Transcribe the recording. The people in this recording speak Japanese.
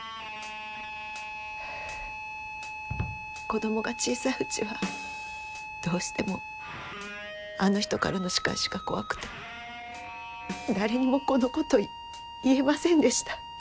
子供が小さいうちはどうしてもあの人からの仕返しが怖くて誰にもこのこと言えませんでした。